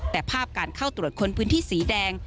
แต่ภาพการเข้าตรวจค้นพื้นที่สีแดง